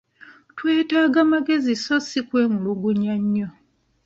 Twetaaga magezi sso si kwemulugunya nnyo.